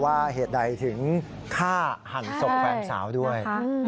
เหตุใดถึงฆ่าหันศพแฟนสาวด้วย